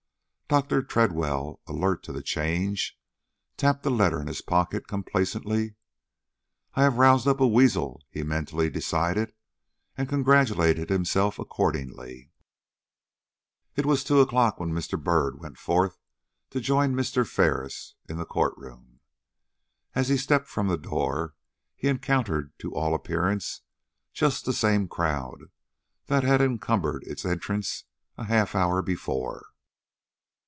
Dr. Tredwell, alert to the change, tapped the letter in his pocket complacently. "I have roused up a weasel," he mentally decided, and congratulated himself accordingly. It was two o'clock when Mr. Byrd went forth to join Mr. Ferris in the court room. As he stepped from the door, he encountered, to all appearance, just the same crowd that had encumbered its entrance a half hour before.